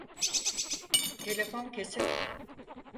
Telefon kesik.